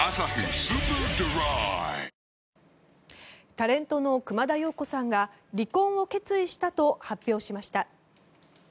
タレントの熊田曜子さんが離婚を決意したと発表しました。